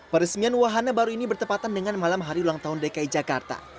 peresmian wahana baru ini bertepatan dengan malam hari ulang tahun dki jakarta